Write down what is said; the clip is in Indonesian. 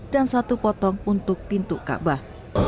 dan satu potong untuk pintu kabah